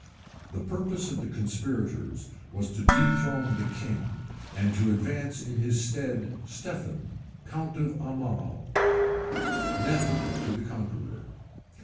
The purpose of the conspirators was to dethrone the king, and to advance in his stead Stephen, count of Aumale, nephew to the Conqueror.